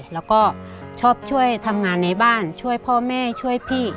แล้วก็ชอบช่วยทำงานในบ้านช่วยพ่อแม่ช่วยพี่